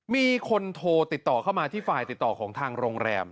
มีคนโทรติดต่อเข้ามาที่ฝ่ายติดต่อของทางโรงแรม